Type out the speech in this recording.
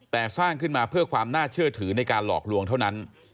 แต่สร้างขึ้นมาเพื่อความน่าเชื่อถือในการหลอกลวงเท่านั้น